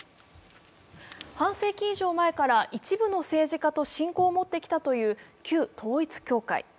半世紀以上前から一部の政治家と親交を持ってきたという旧統一教会。